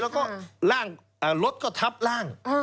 แล้วก็รถก็ทับล่าง